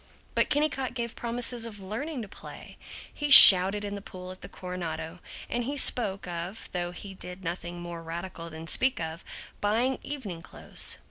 But Kennicott gave promise of learning to play. He shouted in the pool at the Coronado, and he spoke of (though he did nothing more radical than speak of) buying evening clothes.